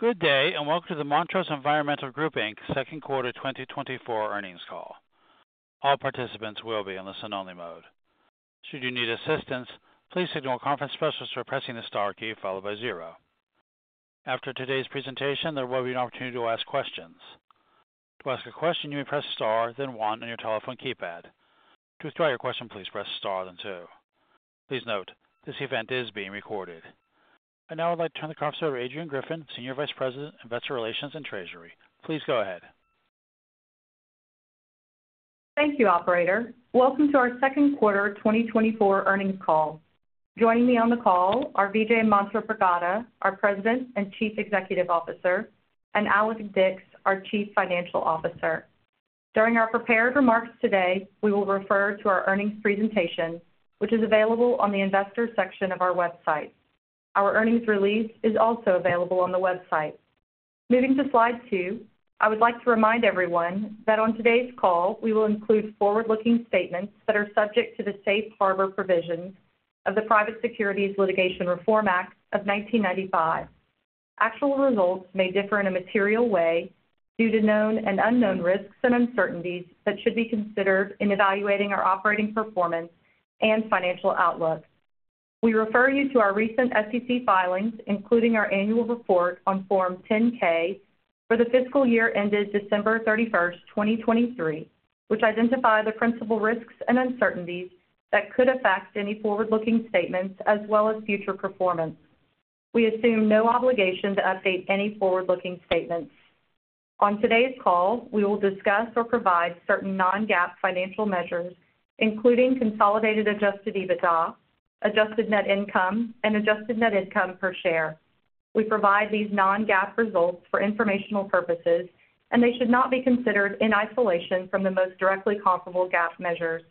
Good day, and welcome to the Montrose Environmental Group, Inc. second quarter 2024 earnings call. All participants will be in listen-only mode. Should you need assistance, please signal a conference specialist or press the star key followed by zero. After today's presentation, there will be an opportunity to ask questions. To ask a question, you may press star then one on your telephone keypad. To withdraw your question, please press star then two. Please note, this event is being recorded. I now would like to turn the conference over to Adrianne Griffin, Senior Vice President, Investor Relations and Treasury. Please go ahead. Thank you, Operator. Welcome to our second quarter 2024 earnings call. Joining me on the call are Vijay Manthripragada, our President and Chief Executive Officer, and Allan Dicks, our Chief Financial Officer. During our prepared remarks today, we will refer to our earnings presentation, which is available on the Investor section of our website. Our earnings release is also available on the website. Moving to slide two, I would like to remind everyone that on today's call, we will include forward-looking statements that are subject to the safe harbor provisions of the Private Securities Litigation Reform Act of 1995. Actual results may differ in a material way due to known and unknown risks and uncertainties that should be considered in evaluating our operating performance and financial outlook. We refer you to our recent SEC filings, including our annual report on Form 10-K for the fiscal year ended December 31, 2023, which identified the principal risks and uncertainties that could affect any forward-looking statements as well as future performance. We assume no obligation to update any forward-looking statements. On today's call, we will discuss or provide certain non-GAAP financial measures, including consolidated Adjusted EBITDA, Adjusted Net Income, and Adjusted Net Income per share. We provide these non-GAAP results for informational purposes, and they should not be considered in isolation from the most directly comparable GAAP measures.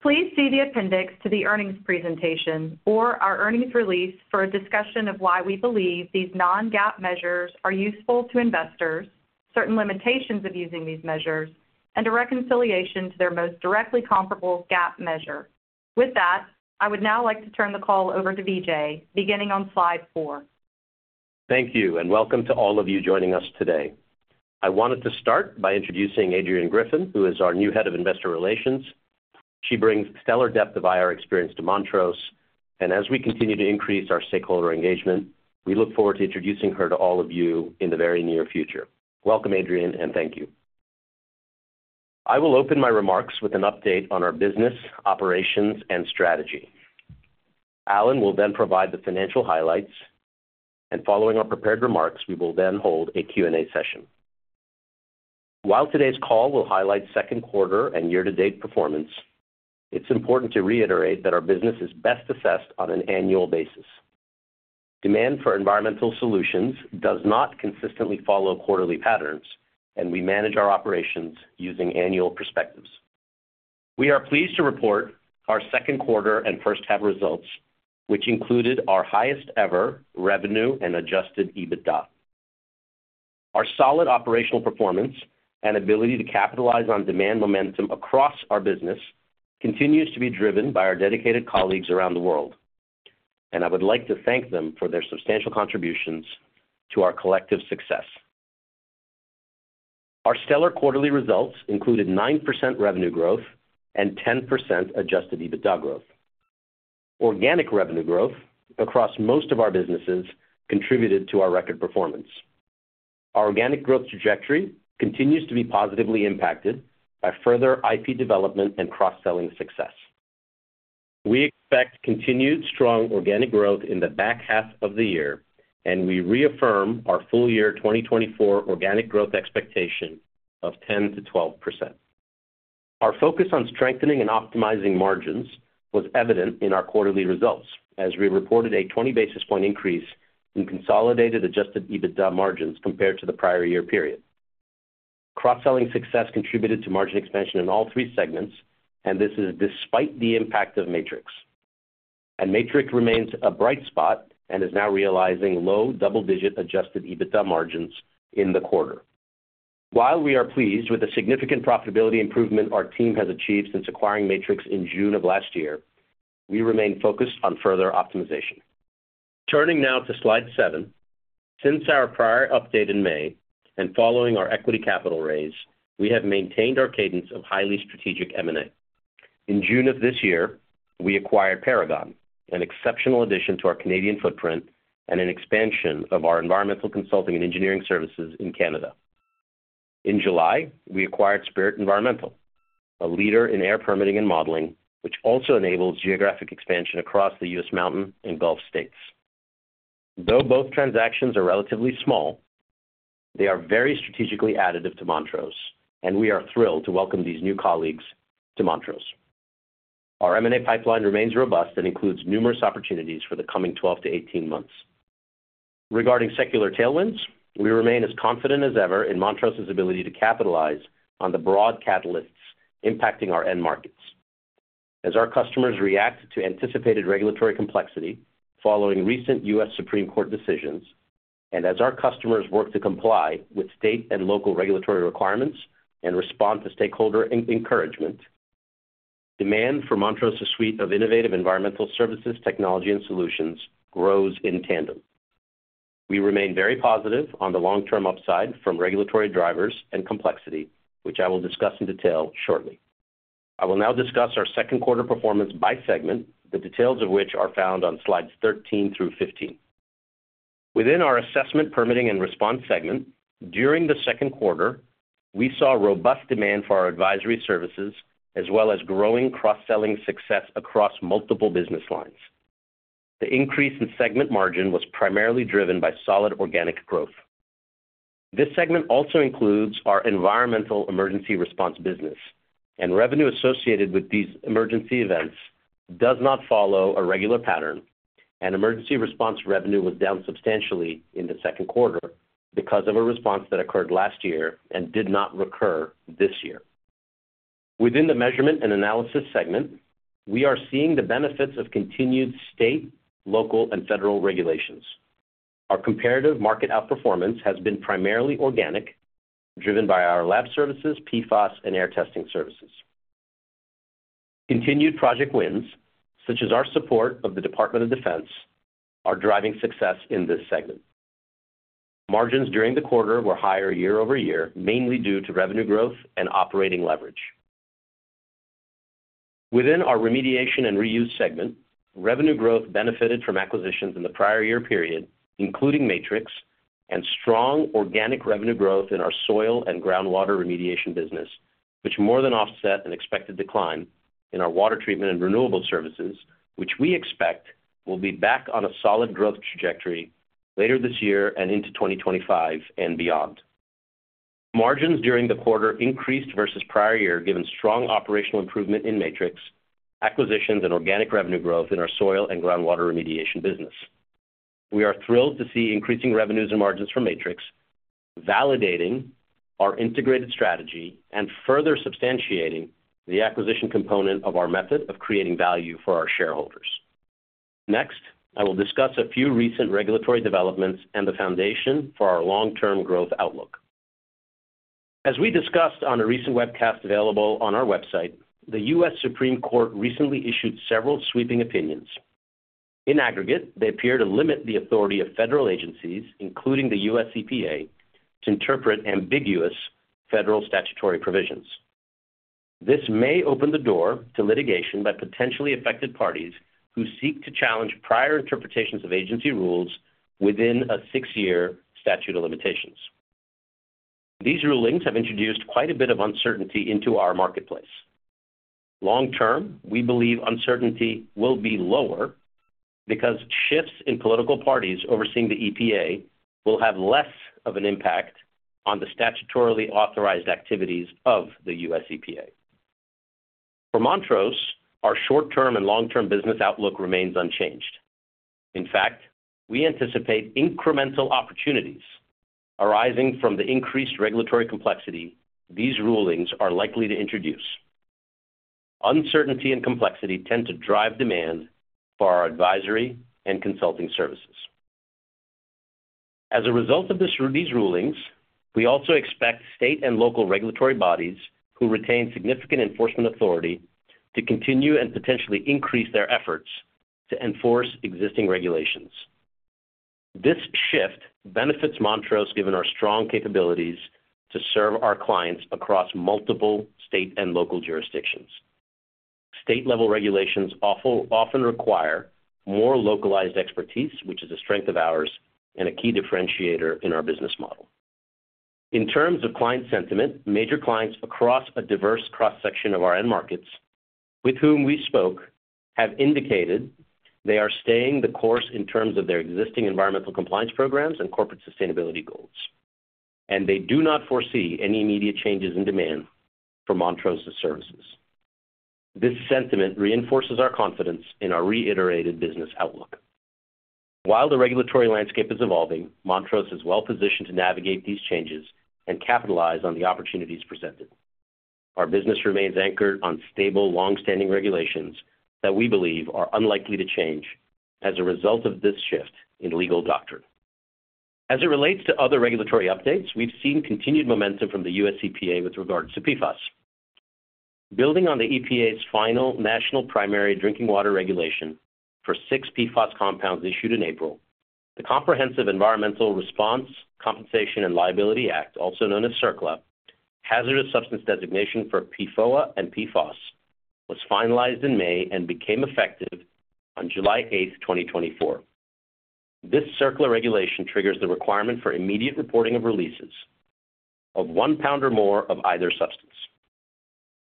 Please see the appendix to the earnings presentation or our earnings release for a discussion of why we believe these non-GAAP measures are useful to investors, certain limitations of using these measures, and a reconciliation to their most directly comparable GAAP measure. With that, I would now like to turn the call over to Vijay, beginning on slide four. Thank you, and welcome to all of you joining us today. I wanted to start by introducing Adrianne Griffin, who is our new Head of Investor Relations. She brings stellar depth of IR experience to Montrose, and as we continue to increase our stakeholder engagement, we look forward to introducing her to all of you in the very near future. Welcome, Adrianne, and thank you. I will open my remarks with an update on our business, operations, and strategy. Allan will then provide the financial highlights, and following our prepared remarks, we will then hold a Q&A session. While today's call will highlight second quarter and year-to-date performance, it's important to reiterate that our business is best assessed on an annual basis. Demand for environmental solutions does not consistently follow quarterly patterns, and we manage our operations using annual perspectives. We are pleased to report our second quarter and first-half results, which included our highest-ever revenue and adjusted EBITDA. Our solid operational performance and ability to capitalize on demand momentum across our business continues to be driven by our dedicated colleagues around the world, and I would like to thank them for their substantial contributions to our collective success. Our stellar quarterly results included 9% revenue growth and 10% adjusted EBITDA growth. Organic revenue growth across most of our businesses contributed to our record performance. Our organic growth trajectory continues to be positively impacted by further IP development and cross-selling success. We expect continued strong organic growth in the back half of the year, and we reaffirm our full-year 2024 organic growth expectation of 10%-12%. Our focus on strengthening and optimizing margins was evident in our quarterly results, as we reported a 20 basis point increase in consolidated Adjusted EBITDA margins compared to the prior year period. Cross-selling success contributed to margin expansion in all three segments, and this is despite the impact of Matrix. Matrix remains a bright spot and is now realizing low double-digit Adjusted EBITDA margins in the quarter. While we are pleased with the significant profitability improvement our team has achieved since acquiring Matrix in June of last year, we remain focused on further optimization. Turning now to slide seven, since our prior update in May and following our equity capital raise, we have maintained our cadence of highly strategic M&A. In June of this year, we acquired Paragon, an exceptional addition to our Canadian footprint and an expansion of our environmental consulting and engineering services in Canada. In July, we acquired Spirit Environmental, a leader in air permitting and modeling, which also enables geographic expansion across the U.S. mountain and Gulf states. Though both transactions are relatively small, they are very strategically additive to Montrose, and we are thrilled to welcome these new colleagues to Montrose. Our M&A pipeline remains robust and includes numerous opportunities for the coming 12-18 months. Regarding secular tailwinds, we remain as confident as ever in Montrose's ability to capitalize on the broad catalysts impacting our end markets. As our customers react to anticipated regulatory complexity following recent U.S. Supreme Court decisions, and as our customers work to comply with state and local regulatory requirements and respond to stakeholder encouragement, demand for Montrose's suite of innovative environmental services, technology, and solutions grows in tandem. We remain very positive on the long-term upside from regulatory drivers and complexity, which I will discuss in detail shortly. I will now discuss our second quarter performance by segment, the details of which are found on slides 13 through 15. Within our Assessment, Permitting, and Response segment, during the second quarter, we saw robust demand for our advisory services as well as growing cross-selling success across multiple business lines. The increase in segment margin was primarily driven by solid organic growth. This segment also includes our environmental emergency response business, and revenue associated with these emergency events does not follow a regular pattern, and emergency response revenue was down substantially in the second quarter because of a response that occurred last year and did not recur this year. Within the Measurement and Analysis segment, we are seeing the benefits of continued state, local, and federal regulations. Our comparative market outperformance has been primarily organic, driven by our lab services, PFAS, and air testing services. Continued project wins, such as our support of the Department of Defense, are driving success in this segment. Margins during the quarter were higher year-over-year, mainly due to revenue growth and operating leverage. Within our Remediation and Reuse segment, revenue growth benefited from acquisitions in the prior year period, including Matrix, and strong organic revenue growth in our soil and groundwater remediation business, which more than offset an expected decline in our water treatment and renewable services, which we expect will be back on a solid growth trajectory later this year and into 2025 and beyond. Margins during the quarter increased versus prior year, given strong operational improvement in Matrix, acquisitions, and organic revenue growth in our soil and groundwater remediation business. We are thrilled to see increasing revenues and margins for Matrix, validating our integrated strategy and further substantiating the acquisition component of our method of creating value for our shareholders. Next, I will discuss a few recent regulatory developments and the foundation for our long-term growth outlook. As we discussed on a recent webcast available on our website, the U.S. Supreme Court recently issued several sweeping opinions. In aggregate, they appear to limit the authority of federal agencies, including the U.S. EPA, to interpret ambiguous federal statutory provisions. This may open the door to litigation by potentially affected parties who seek to challenge prior interpretations of agency rules within a six-year statute of limitations. These rulings have introduced quite a bit of uncertainty into our marketplace. Long-term, we believe uncertainty will be lower because shifts in political parties overseeing the EPA will have less of an impact on the statutorily authorized activities of the U.S. EPA. For Montrose, our short-term and long-term business outlook remains unchanged. In fact, we anticipate incremental opportunities arising from the increased regulatory complexity these rulings are likely to introduce. Uncertainty and complexity tend to drive demand for our advisory and consulting services. As a result of these rulings, we also expect state and local regulatory bodies who retain significant enforcement authority to continue and potentially increase their efforts to enforce existing regulations. This shift benefits Montrose, given our strong capabilities to serve our clients across multiple state and local jurisdictions. State-level regulations often require more localized expertise, which is a strength of ours and a key differentiator in our business model. In terms of client sentiment, major clients across a diverse cross-section of our end markets, with whom we spoke, have indicated they are staying the course in terms of their existing environmental compliance programs and corporate sustainability goals, and they do not foresee any immediate changes in demand for Montrose's services. This sentiment reinforces our confidence in our reiterated business outlook. While the regulatory landscape is evolving, Montrose is well-positioned to navigate these changes and capitalize on the opportunities presented. Our business remains anchored on stable, long-standing regulations that we believe are unlikely to change as a result of this shift in legal doctrine. As it relates to other regulatory updates, we've seen continued momentum from the U.S. EPA with regards to PFAS. Building on the EPA's final National Primary Drinking Water Regulation for six PFAS compounds issued in April, the Comprehensive Environmental Response, Compensation, and Liability Act, also known as CERCLA, hazardous substance designation for PFOA and PFOS, was finalized in May and became effective on July 8, 2024. This CERCLA regulation triggers the requirement for immediate reporting of releases of one pound or more of either substance.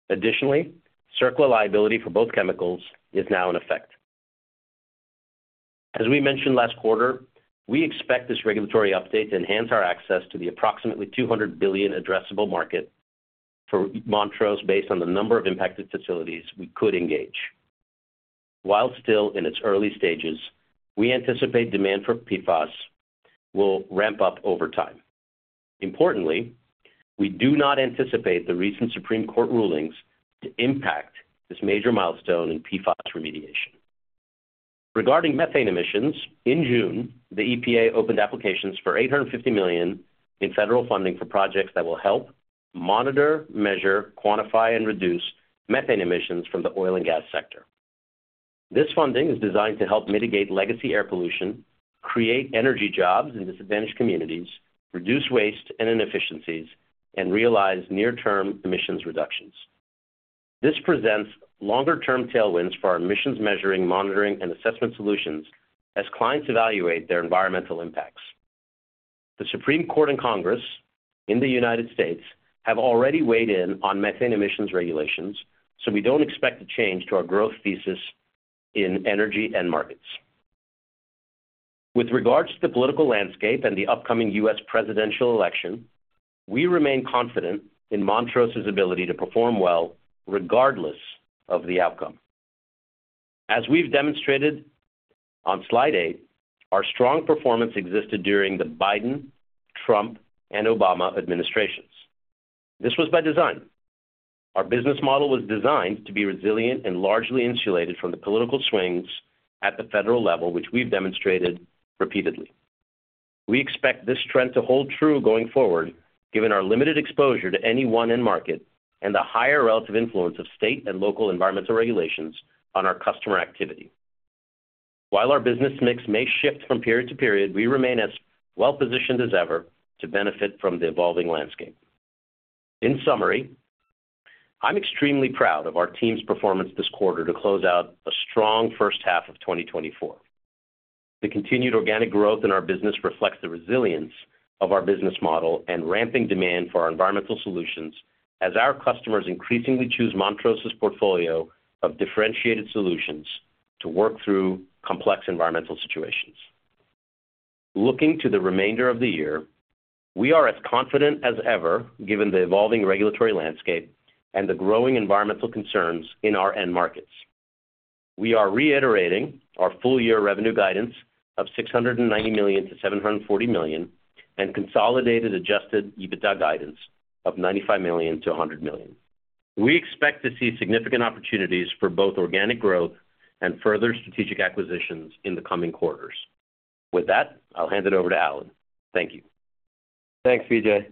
Additionally, CERCLA liability for both chemicals is now in effect. As we mentioned last quarter, we expect this regulatory update to enhance our access to the approximately $200 billion addressable market for Montrose based on the number of impacted facilities we could engage. While still in its early stages, we anticipate demand for PFAS will ramp up over time. Importantly, we do not anticipate the recent Supreme Court rulings to impact this major milestone in PFAS remediation. Regarding methane emissions, in June, the EPA opened applications for $850 million in federal funding for projects that will help monitor, measure, quantify, and reduce methane emissions from the oil and gas sector. This funding is designed to help mitigate legacy air pollution, create energy jobs in disadvantaged communities, reduce waste and inefficiencies, and realize near-term emissions reductions. This presents longer-term tailwinds for our emissions measuring, monitoring, and assessment solutions as clients evaluate their environmental impacts. The Supreme Court and Congress in the United States have already weighed in on methane emissions regulations, so we don't expect a change to our growth thesis in energy and markets. With regards to the political landscape and the upcoming U.S. presidential election, we remain confident in Montrose's ability to perform well regardless of the outcome. As we've demonstrated on slide eight, our strong performance existed during the Biden, Trump, and Obama administrations. This was by design. Our business model was designed to be resilient and largely insulated from the political swings at the federal level, which we've demonstrated repeatedly. We expect this trend to hold true going forward, given our limited exposure to any one end market and the higher relative influence of state and local environmental regulations on our customer activity. While our business mix may shift from period to period, we remain as well-positioned as ever to benefit from the evolving landscape. In summary, I'm extremely proud of our team's performance this quarter to close out a strong first half of 2024. The continued organic growth in our business reflects the resilience of our business model and ramping demand for our environmental solutions as our customers increasingly choose Montrose's portfolio of differentiated solutions to work through complex environmental situations. Looking to the remainder of the year, we are as confident as ever, given the evolving regulatory landscape and the growing environmental concerns in our end markets. We are reiterating our full-year revenue guidance of $690 million-$740 million and consolidated Adjusted EBITDA guidance of $95 million-$100 million. We expect to see significant opportunities for both organic growth and further strategic acquisitions in the coming quarters. With that, I'll hand it over to Allan. Thank you. Thanks, Vijay.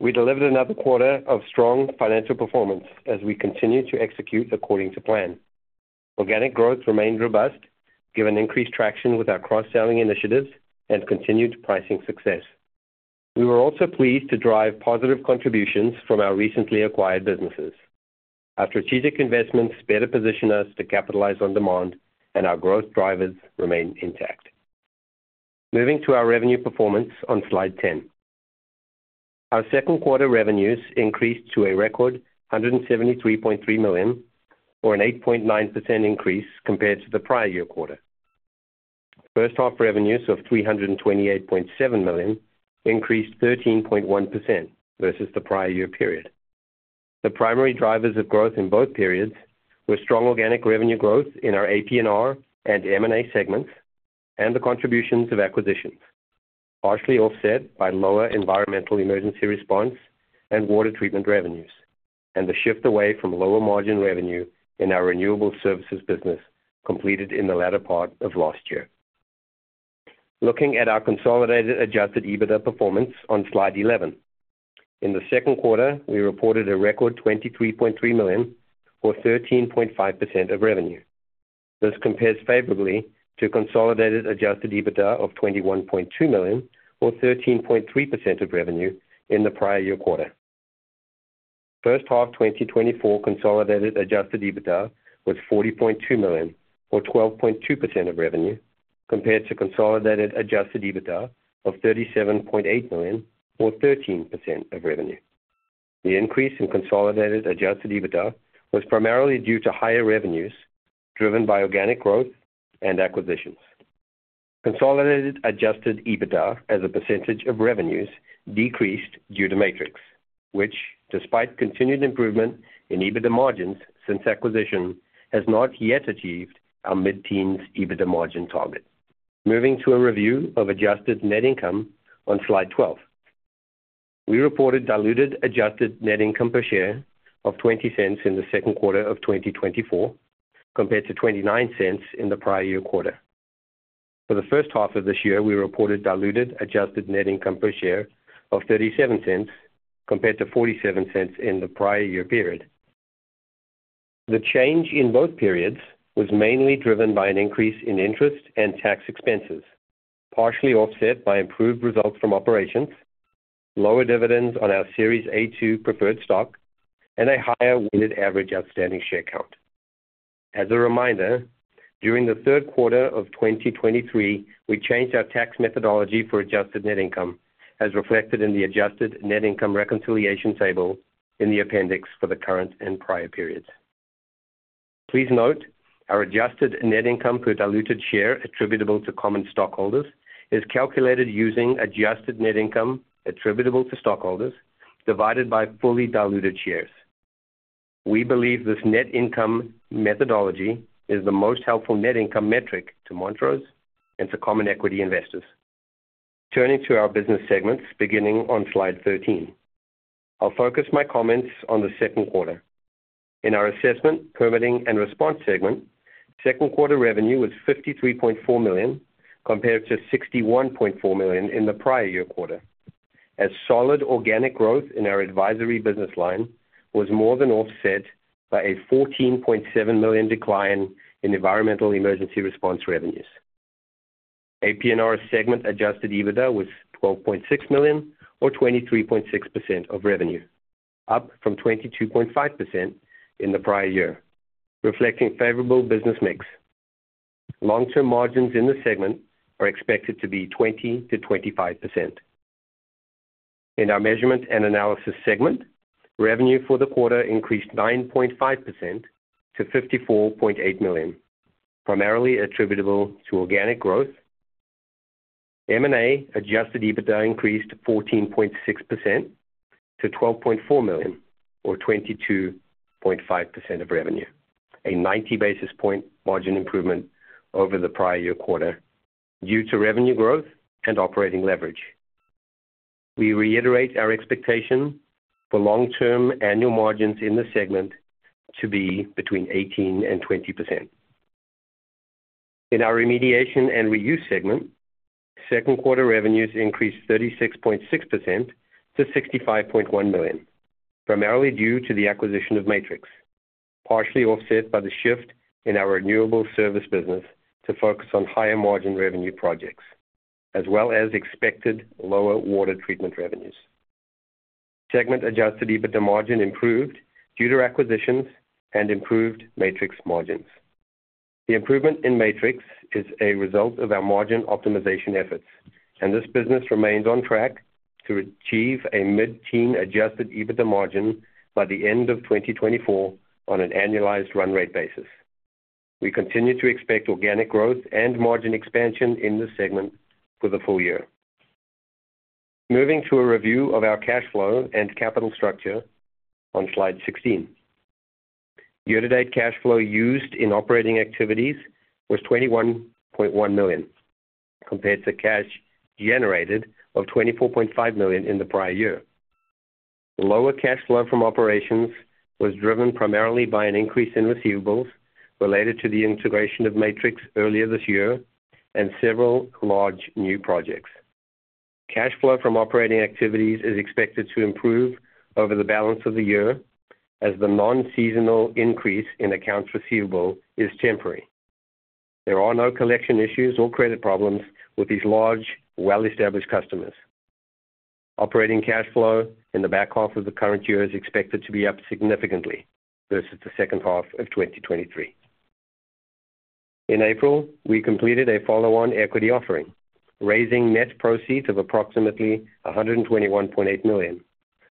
We delivered another quarter of strong financial performance as we continue to execute according to plan. Organic growth remained robust, given increased traction with our cross-selling initiatives and continued pricing success. We were also pleased to drive positive contributions from our recently acquired businesses. Our strategic investments better position us to capitalize on demand, and our growth drivers remain intact. Moving to our revenue performance on slide 10. Our second quarter revenues increased to a record $173.3 million, or an 8.9% increase compared to the prior year quarter. First-half revenues of $328.7 million increased 13.1% versus the prior year period. The primary drivers of growth in both periods were strong organic revenue growth in our APNR and M&A segments and the contributions of acquisitions, partially offset by lower environmental emergency response and water treatment revenues, and the shift away from lower margin revenue in our renewable services business completed in the latter part of last year. Looking at our consolidated Adjusted EBITDA performance on slide 11. In the second quarter, we reported a record $23.3 million, or 13.5% of revenue. This compares favorably to consolidated Adjusted EBITDA of $21.2 million, or 13.3% of revenue in the prior year quarter. First half 2024 consolidated Adjusted EBITDA was $40.2 million, or 12.2% of revenue, compared to consolidated Adjusted EBITDA of $37.8 million, or 13% of revenue. The increase in consolidated Adjusted EBITDA was primarily due to higher revenues driven by organic growth and acquisitions. Consolidated Adjusted EBITDA, as a percentage of revenues, decreased due to Matrix, which, despite continued improvement in EBITDA margins since acquisition, has not yet achieved our mid-teens EBITDA margin target. Moving to a review of Adjusted Net Income on slide 12. We reported diluted Adjusted Net Income per share of $0.20 in the second quarter of 2024, compared to $0.29 in the prior year quarter. For the first half of this year, we reported diluted Adjusted Net Income per share of $0.37, compared to $0.47 in the prior year period. The change in both periods was mainly driven by an increase in interest and tax expenses, partially offset by improved results from operations, lower dividends on our Series A-two preferred stock, and a higher weighted average outstanding share count. As a reminder, during the third quarter of 2023, we changed our tax methodology for adjusted net income, as reflected in the adjusted net income reconciliation table in the appendix for the current and prior periods. Please note our adjusted net income per diluted share attributable to common stockholders is calculated using adjusted net income attributable to stockholders divided by fully diluted shares. We believe this net income methodology is the most helpful net income metric to Montrose and to common equity investors. Turning to our business segments, beginning on slide 13, I'll focus my comments on the second quarter. In our assessment, permitting, and response segment, second quarter revenue was $53.4 million, compared to $61.4 million in the prior year quarter, as solid organic growth in our advisory business line was more than offset by a $14.7 million decline in environmental emergency response revenues. APNR segment Adjusted EBITDA was $12.6 million, or 23.6% of revenue, up from 22.5% in the prior year, reflecting favorable business mix. Long-term margins in the segment are expected to be 20%-25%. In our Measurement and Analysis segment, revenue for the quarter increased 9.5% to $54.8 million, primarily attributable to organic growth. M&A Adjusted EBITDA increased 14.6% to $12.4 million, or 22.5% of revenue, a 90 basis point margin improvement over the prior year quarter due to revenue growth and operating leverage. We reiterate our expectation for long-term annual margins in the segment to be between 18% and 20%. In our Remediation and Reuse segment, second quarter revenues increased 36.6% to $65.1 million, primarily due to the acquisition of Matrix, partially offset by the shift in our renewable service business to focus on higher margin revenue projects, as well as expected lower water treatment revenues. Segment Adjusted EBITDA margin improved due to acquisitions and improved Matrix margins. The improvement in Matrix is a result of our margin optimization efforts, and this business remains on track to achieve a mid-teens Adjusted EBITDA margin by the end of 2024 on an annualized run rate basis. We continue to expect organic growth and margin expansion in this segment for the full year. Moving to a review of our cash flow and capital structure on slide 16. Year-to-date cash flow used in operating activities was $21.1 million, compared to cash generated of $24.5 million in the prior year. Lower cash flow from operations was driven primarily by an increase in receivables related to the integration of Matrix earlier this year and several large new projects. Cash flow from operating activities is expected to improve over the balance of the year as the non-seasonal increase in accounts receivable is temporary. There are no collection issues or credit problems with these large, well-established customers. Operating cash flow in the back half of the current year is expected to be up significantly versus the second half of 2023. In April, we completed a follow-on equity offering, raising net proceeds of approximately $121.8 million,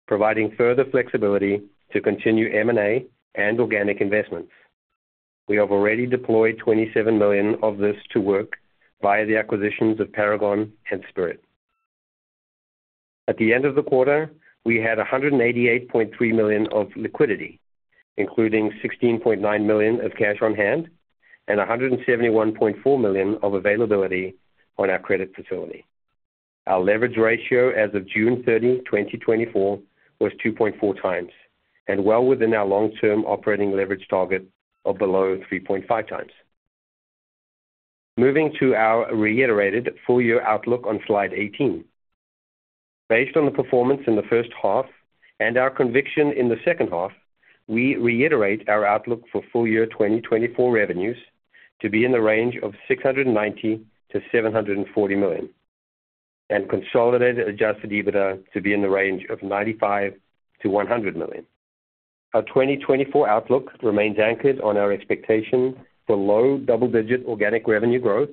providing further flexibility to continue M&A and organic investments. We have already deployed $27 million of this to work via the acquisitions of Paragon and Spirit. At the end of the quarter, we had $188.3 million of liquidity, including $16.9 million of cash on hand and $171.4 million of availability on our credit facility. Our leverage ratio as of June 30, 2024, was 2.4x and well within our long-term operating leverage target of below 3.5x. Moving to our reiterated full-year outlook on slide 18. Based on the performance in the first half and our conviction in the second half, we reiterate our outlook for full-year 2024 revenues to be in the range of $690 million-$740 million and consolidated Adjusted EBITDA to be in the range of $95 million-$100 million. Our 2024 outlook remains anchored on our expectation for low double-digit organic revenue growth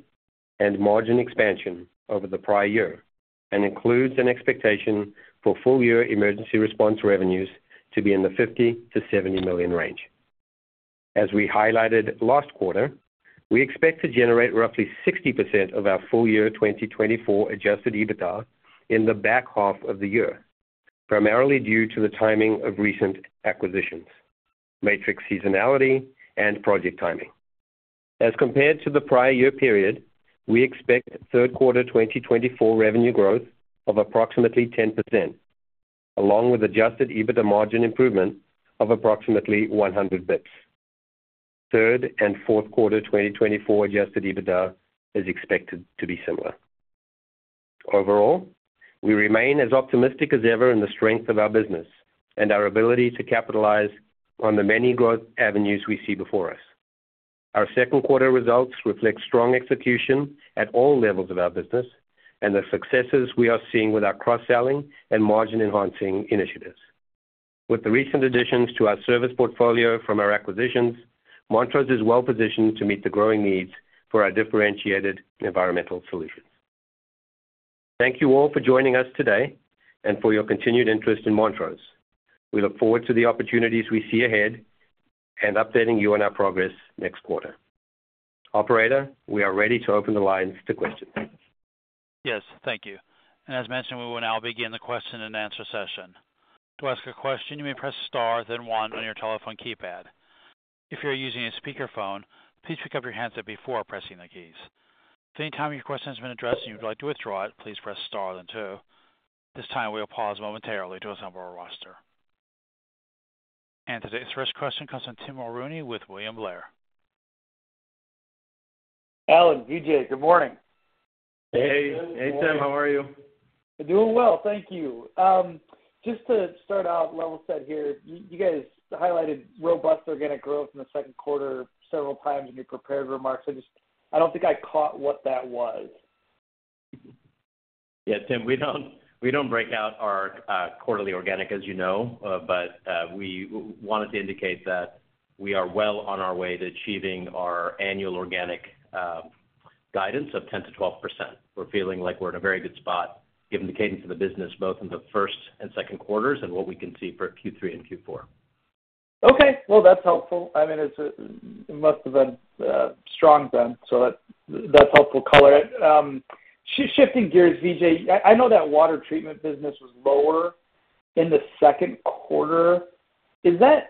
and margin expansion over the prior year and includes an expectation for full-year emergency response revenues to be in the $50 million-$70 million range. As we highlighted last quarter, we expect to generate roughly 60% of our full-year 2024 adjusted EBITDA in the back half of the year, primarily due to the timing of recent acquisitions, Matrix seasonality, and project timing. As compared to the prior year period, we expect third quarter 2024 revenue growth of approximately 10%, along with adjusted EBITDA margin improvement of approximately 100 basis points. Third and fourth quarter 2024 adjusted EBITDA is expected to be similar. Overall, we remain as optimistic as ever in the strength of our business and our ability to capitalize on the many growth avenues we see before us. Our second quarter results reflect strong execution at all levels of our business and the successes we are seeing with our cross-selling and margin enhancing initiatives. With the recent additions to our service portfolio from our acquisitions, Montrose is well-positioned to meet the growing needs for our differentiated environmental solutions. Thank you all for joining us today and for your continued interest in Montrose. We look forward to the opportunities we see ahead and updating you on our progress next quarter. Operator, we are ready to open the lines to questions. Yes, thank you. And as mentioned, we will now begin the question and answer session. To ask a question, you may press star then one on your telephone keypad. If you're using a speakerphone, please pick up your handset before pressing the keys. If any time your question has been addressed and you'd like to withdraw it, please press star then two. At this time, we'll pause momentarily to assemble our roster. And today's first question comes from Tim Mulrooney with William Blair. Allan, Vijay, good morning. Hey. Hey, Tim. How are you? Doing well, thank you. Just to start out, level set here, you guys highlighted robust organic growth in the second quarter several times in your prepared remarks. I don't think I caught what that was. Yeah, Tim, we don't break out our quarterly organic, as you know, but we wanted to indicate that we are well on our way to achieving our annual organic guidance of 10%-12%. We're feeling like we're in a very good spot given the cadence of the business both in the first and second quarters and what we can see for Q3 and Q4. Okay. Well, that's helpful. I mean, it must have been strong then, so that's helpful coloring. Shifting gears, Vijay, I know that water treatment business was lower in the second quarter. Is that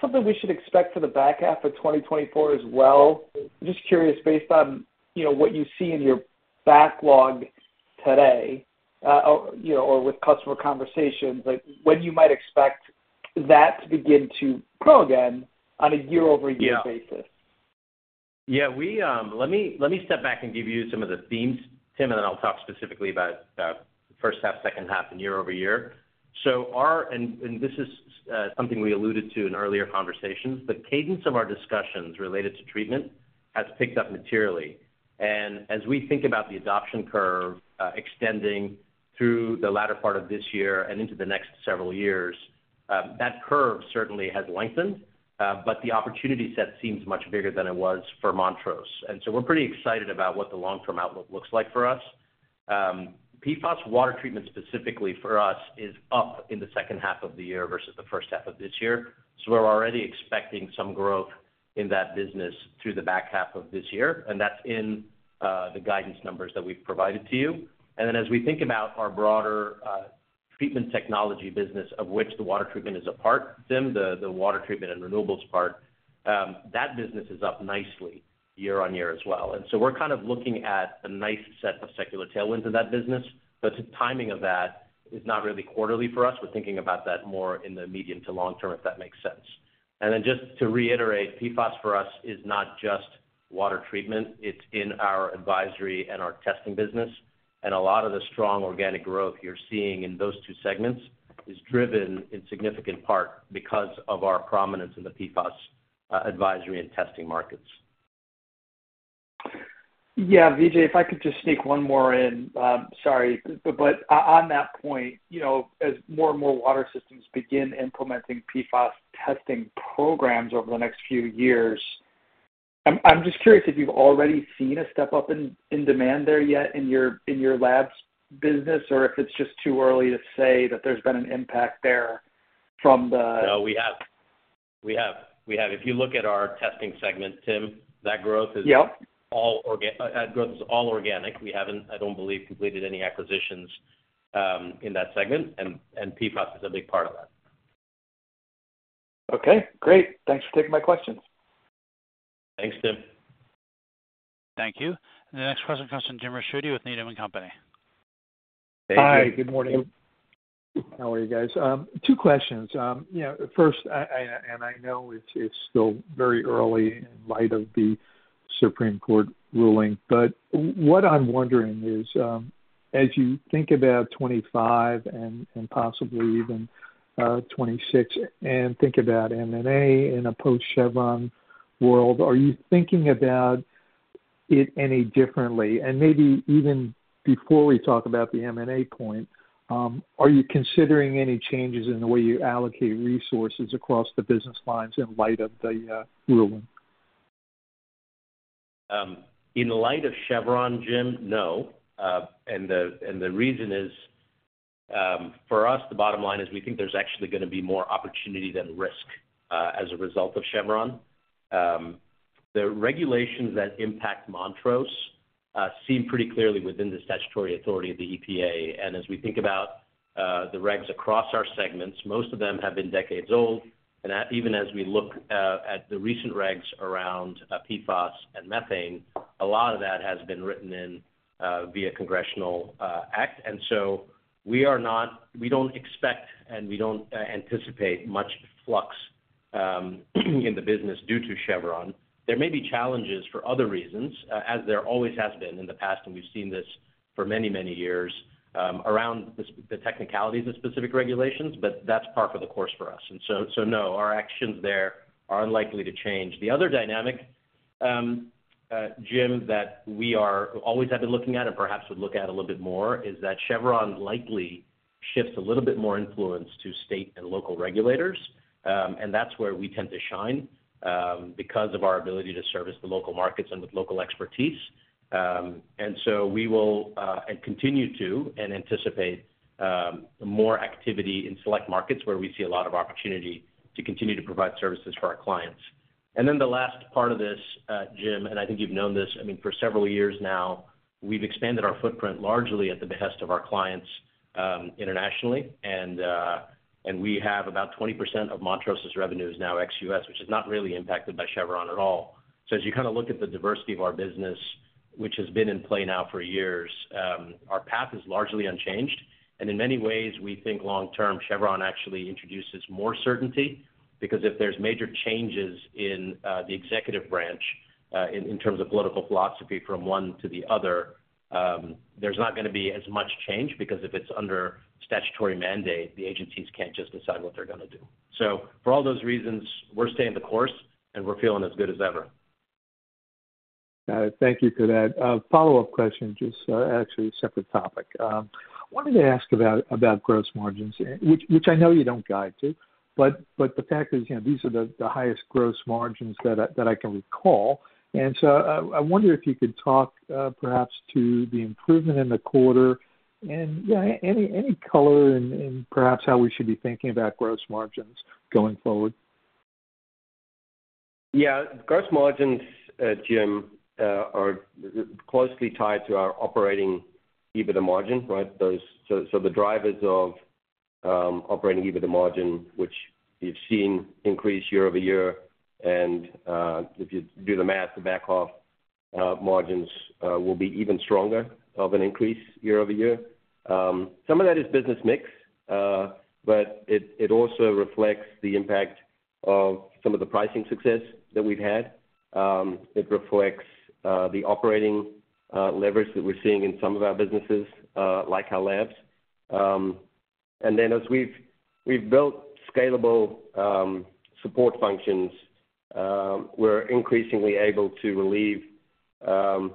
something we should expect for the back half of 2024 as well? Just curious, based on what you see in your backlog today or with customer conversations, when you might expect that to begin to grow again on a year-over-year basis? Yeah. Let me step back and give you some of the themes, Tim, and then I'll talk specifically about the first half, second half, and year-over-year. And this is something we alluded to in earlier conversations, but cadence of our discussions related to treatment has picked up materially. And as we think about the adoption curve extending through the latter part of this year and into the next several years, that curve certainly has lengthened, but the opportunity set seems much bigger than it was for Montrose. And so we're pretty excited about what the long-term outlook looks like for us. PFAS water treatment specifically for us is up in the second half of the year versus the first half of this year. So we're already expecting some growth in that business through the back half of this year, and that's in the guidance numbers that we've provided to you. And then as we think about our broader treatment technology business, of which the water treatment is a part, Tim, the water treatment and renewables part, that business is up nicely year-on-year as well. And so we're kind of looking at a nice set of secular tailwinds in that business, but the timing of that is not really quarterly for us. We're thinking about that more in the medium to long term, if that makes sense. And then just to reiterate, PFAS for us is not just water treatment. It's in our advisory and our testing business. A lot of the strong organic growth you're seeing in those two segments is driven in significant part because of our prominence in the PFAS advisory and testing markets. Yeah, Vijay, if I could just sneak one more in, sorry, but on that point, as more and more water systems begin implementing PFAS testing programs over the next few years, I'm just curious if you've already seen a step up in demand there yet in your labs business, or if it's just too early to say that there's been an impact there from the. No, we have. We have. We have. If you look at our testing segment, Tim, that growth is all organic. We haven't, I don't believe, completed any acquisitions in that segment, and PFAS is a big part of that. Okay. Great. Thanks for taking my questions. Thanks, Tim. Thank you. And the next person comes from Jim Ricchiuti with Needham & Company. Hey. Hi. Good morning. How are you guys? Two questions. First, and I know it's still very early in light of the Supreme Court ruling, but what I'm wondering is, as you think about 2025 and possibly even 2026 and think about M&A in a post-Chevron world, are you thinking about it any differently? And maybe even before we talk about the M&A point, are you considering any changes in the way you allocate resources across the business lines in light of the ruling? In light of Chevron, Jim, no. And the reason is, for us, the bottom line is we think there's actually going to be more opportunity than risk as a result of Chevron. The regulations that impact Montrose seem pretty clearly within the statutory authority of the EPA. As we think about the regs across our segments, most of them have been decades old. Even as we look at the recent regs around PFAS and methane, a lot of that has been written in via congressional act. So we don't expect and we don't anticipate much flux in the business due to Chevron. There may be challenges for other reasons, as there always has been in the past, and we've seen this for many, many years around the technicalities of specific regulations, but that's par for the course for us. So, no, our actions there are unlikely to change. The other dynamic, Jim, that we always have been looking at and perhaps would look at a little bit more is that Chevron likely shifts a little bit more influence to state and local regulators. That's where we tend to shine because of our ability to service the local markets and with local expertise. So we will and continue to and anticipate more activity in select markets where we see a lot of opportunity to continue to provide services for our clients. Then the last part of this, Jim, and I think you've known this, I mean, for several years now, we've expanded our footprint largely at the behest of our clients internationally. And we have about 20% of Montrose's revenues now ex U.S., which is not really impacted by Chevron at all. So as you kind of look at the diversity of our business, which has been in play now for years, our path is largely unchanged. And in many ways, we think long-term Chevron actually introduces more certainty because if there's major changes in the executive branch in terms of political philosophy from one to the other, there's not going to be as much change because if it's under statutory mandate, the agencies can't just decide what they're going to do. So for all those reasons, we're staying the course, and we're feeling as good as ever. Thank you for that. Follow-up question, just actually a separate topic. I wanted to ask about gross margins, which I know you don't guide to, but the fact is these are the highest gross margins that I can recall. And so I wonder if you could talk perhaps to the improvement in the quarter and any color in perhaps how we should be thinking about gross margins going forward. Yeah. Gross margins, Jim, are closely tied to our operating EBITDA margin, right? So the drivers of operating EBITDA margin, which you've seen increase year-over-year. And if you do the math, the back-half margins will be even stronger of an increase year-over-year. Some of that is business mix, but it also reflects the impact of some of the pricing success that we've had. It reflects the operating levers that we're seeing in some of our businesses, like our labs. And then as we've built scalable support functions, we're increasingly able to relieve our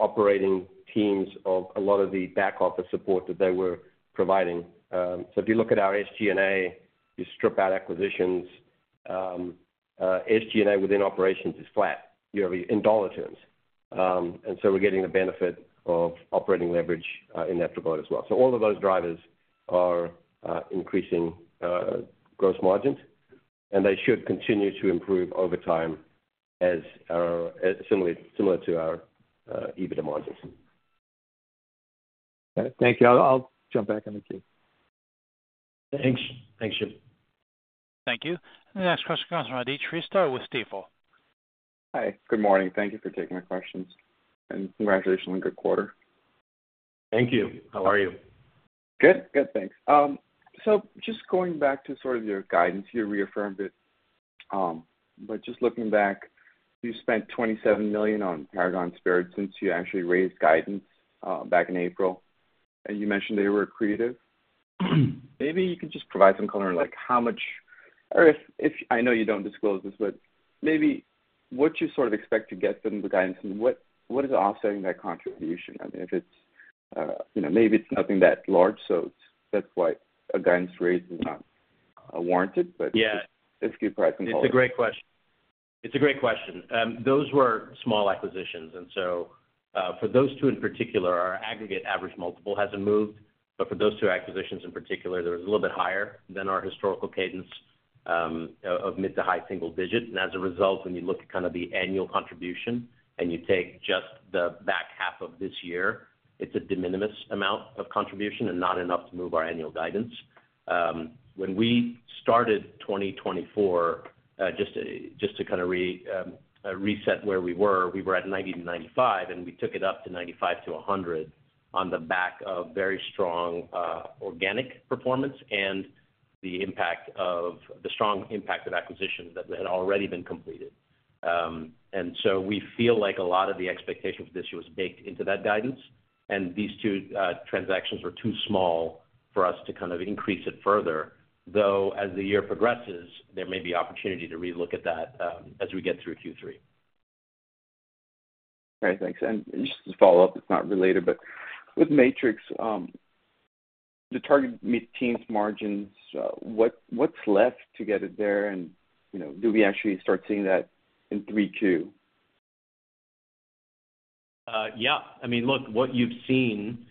operating teams of a lot of the back-office support that they were providing. So if you look at our SG&A, you strip out acquisitions, SG&A within operations is flat in dollar terms. And so we're getting the benefit of operating leverage in that regard as well. So all of those drivers are increasing gross margins, and they should continue to improve over time similar to our EBITDA margins. Thank you. I'll jump back in the queue. Thanks. Thanks, Jim. Thank you. And the next question comes from Aadit Shrestha with Stifel. Hi. Good morning. Thank you for taking my questions. And congratulations on a good quarter. Thank you. How are you? Good. Good. Thanks. So just going back to sort of your guidance, you reaffirmed it. But just looking back, you spent $27 million on Paragon, Spirit since you actually raised guidance back in April. And you mentioned they were creative. Maybe you can just provide some color on how much or if I know you don't disclose this, but maybe what you sort of expect to get from the guidance and what is offsetting that contribution? I mean, if it's maybe it's nothing that large, so that's why a guidance raise is not warranted, but if you provide some color. It's a great question. It's a great question. Those were small acquisitions. And so for those two in particular, our aggregate average multiple hasn't moved. But for those two acquisitions in particular, there was a little bit higher than our historical cadence of mid- to high-single-digit. And as a result, when you look at kind of the annual contribution and you take just the back half of this year, it's a de minimis amount of contribution and not enough to move our annual guidance. When we started 2024, just to kind of reset where we were, we were at 90-95, and we took it up to 95-100 on the back of very strong organic performance and the strong impact of acquisitions that had already been completed. And so we feel like a lot of the expectation for this year was baked into that guidance. And these two transactions were too small for us to kind of increase it further, though as the year progresses, there may be opportunity to relook at that as we get through Q3. Okay. Thanks. And just to follow up, it's not related, but with Matrix, the target mid-teen's margins, what's left to get it there? And do we actually start seeing that in 3Q? Yeah. I mean, look, what you've seen,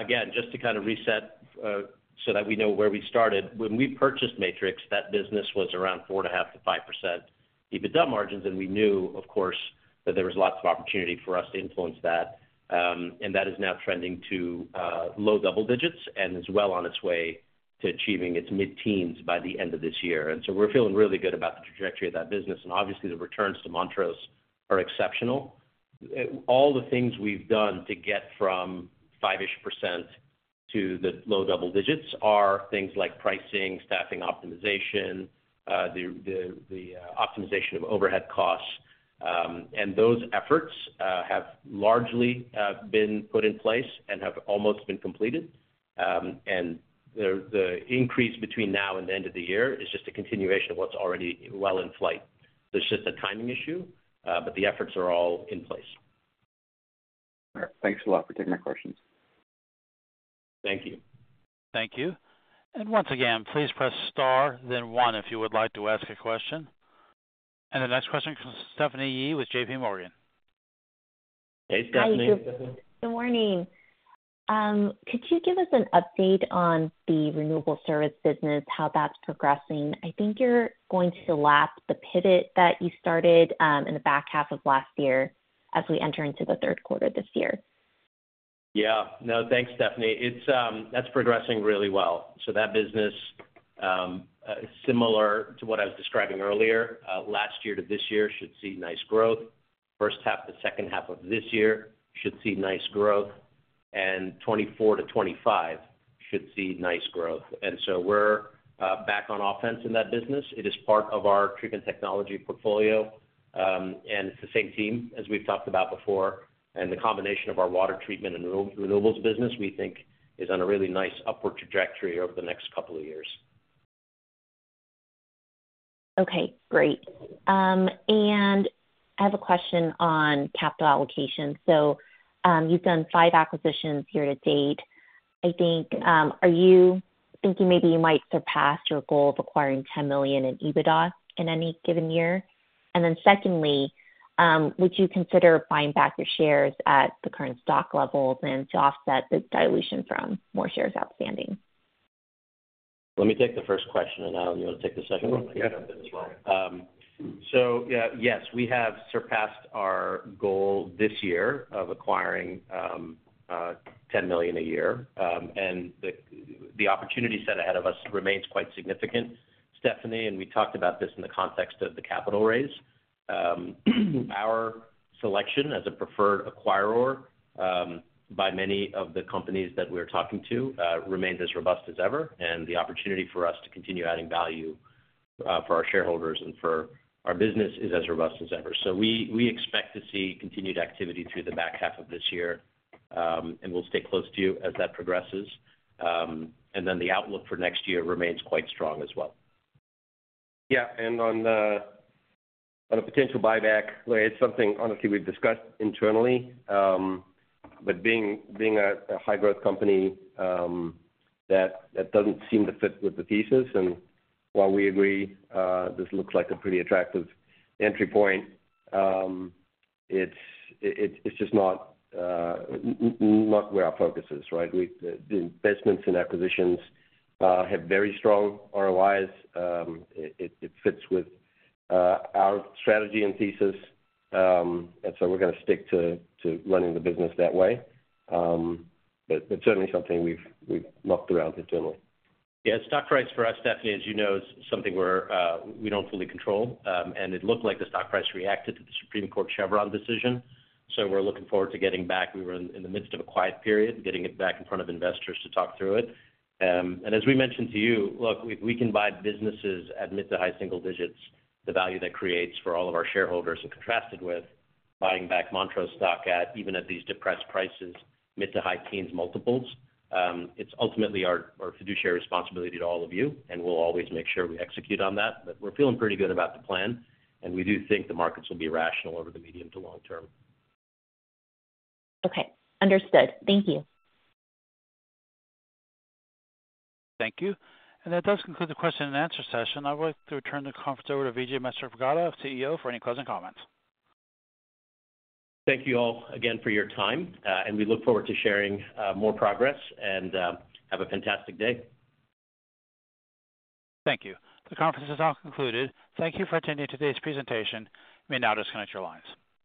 again, just to kind of reset so that we know where we started, when we purchased Matrix, that business was around 4.5%-5% EBITDA margins. And we knew, of course, that there was lots of opportunity for us to influence that. And that is now trending to low double digits and is well on its way to achieving its mid-teens by the end of this year. And so we're feeling really good about the trajectory of that business. And obviously, the returns to Montrose are exceptional. All the things we've done to get from five-ish % to the low double digits are things like pricing, staffing optimization, the optimization of overhead costs. And those efforts have largely been put in place and have almost been completed. The increase between now and the end of the year is just a continuation of what's already well in flight. There's just a timing issue, but the efforts are all in place. Thanks a lot for taking my questions. Thank you. Thank you. Once again, please press star, then one if you would like to ask a question. The next question comes from Stephanie Yee with J.P. Morgan. Hey, Stephanie. Good morning. Could you give us an update on the renewable service business, how that's progressing? I think you're going to lap the pivot that you started in the back half of last year as we enter into the third quarter this year. Yeah. No, thanks, Stephanie. That's progressing really well. So that business, similar to what I was describing earlier, last year to this year should see nice growth. First half to second half of this year should see nice growth. And 2024 to 2025 should see nice growth. And so we're back on offense in that business. It is part of our treatment technology portfolio. And it's the same team as we've talked about before. And the combination of our water treatment and renewables business, we think, is on a really nice upward trajectory over the next couple of years. Okay. Great. And I have a question on capital allocation. So you've done 5 acquisitions here to date. I think, are you thinking maybe you might surpass your goal of acquiring $10 million in EBITDA in any given year? And then secondly, would you consider buying back your shares at the current stock levels and to offset the dilution from more shares outstanding? Let me take the first question, and now you want to take the second one? Yeah. So yes, we have surpassed our goal this year of acquiring $10 million a year. And the opportunity set ahead of us remains quite significant, Stephanie. And we talked about this in the context of the capital raise. Our selection as a preferred acquirer by many of the companies that we're talking to remains as robust as ever. And the opportunity for us to continue adding value for our shareholders and for our business is as robust as ever. So we expect to see continued activity through the back half of this year. And we'll stay close to you as that progresses. And then the outlook for next year remains quite strong as well. Yeah. And on a potential buyback, it's something, honestly, we've discussed internally. But being a high-growth company that doesn't seem to fit with the thesis, and while we agree this looks like a pretty attractive entry point, it's just not where our focus is, right? The investments and acquisitions have very strong ROIs. It fits with our strategy and thesis. And so we're going to stick to running the business that way. But certainly something we've looked around internally. Yeah. Stock price for us, Stephanie, as you know, is something we don't fully control. And it looked like the stock price reacted to the Supreme Court Chevron decision. So we're looking forward to getting back. We were in the midst of a quiet period, getting it back in front of investors to talk through it. As we mentioned to you, look, if we can buy businesses at mid- to high-single digits, the value that creates for all of our shareholders, contrasted with buying back Montrose stock at even these depressed prices, mid- to high-teens multiples, it's ultimately our fiduciary responsibility to all of you. We'll always make sure we execute on that. But we're feeling pretty good about the plan. We do think the markets will be rational over the medium- to long-term. Okay. Understood. Thank you. Thank you. That does conclude the question and answer session. I would like to return the conference over to Vijay Manthripragada, CEO, for any closing comments. Thank you all again for your time. We look forward to sharing more progress and have a fantastic day. Thank you. The conference is now concluded. Thank you for attending today's presentation. You may now disconnect your lines.